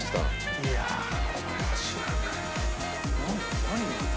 いやあこれは知らない。